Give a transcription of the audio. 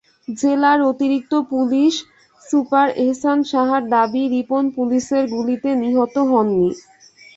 জেলার অতিরিক্ত police super Ehsan সাহার দাবি, রিপন পুলিশের গুলিতে নিহত হননি।